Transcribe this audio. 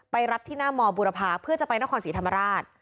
รับที่หน้ามบุรพาเพื่อจะไปนครศรีธรรมราช